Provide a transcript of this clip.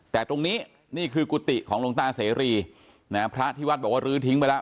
แต่ตรงนี้นี่คือกุฏิของหลวงตาเสรีนะฮะพระที่วัดบอกว่ารื้อทิ้งไปแล้ว